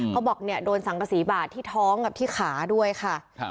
เขาบอกเนี่ยโดนสังกษีบาดที่ท้องกับที่ขาด้วยค่ะ